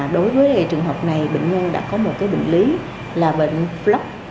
đối với trường hợp này bệnh nhân đã có một bệnh lý là bệnh floc